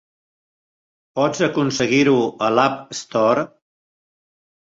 Pots aconseguir-ho a l'App Store?